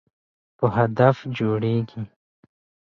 په هدف جوړیږي.